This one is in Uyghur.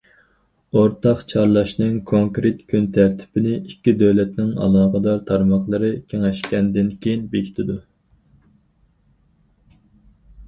ئورتاق چارلاشنىڭ كونكرېت كۈن تەرتىپىنى ئىككى دۆلەتنىڭ ئالاقىدار تارماقلىرى كېڭەشكەندىن كېيىن بېكىتىدۇ.